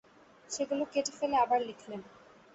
সেগুলো কেটে ফেলে আবার লিখলেন।